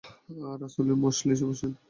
রাসূলের মজলিসে বসেন।